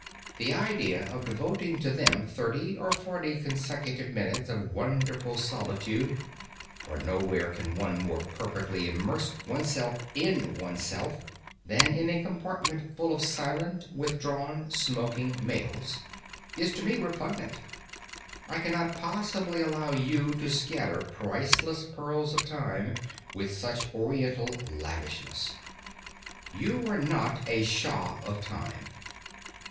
The idea of devoting to them thirty or forty consecutive minutes of wonderful solitude (for nowhere can one more perfectly immerse one's self in one's self than in a compartment full of silent, withdrawn, smoking males) is to me repugnant. I cannot possibly allow you to scatter priceless pearls of time with such Oriental lavishness. You are not the Shah of time.